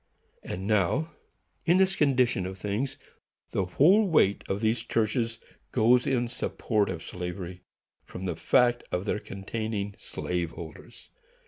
And now, in this condition of things, the whole weight of these churches goes in support of slavery, from the fact of their containing slave holders.